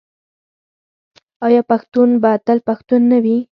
آیا پښتون به تل پښتون نه وي؟